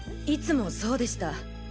いつもそうでした。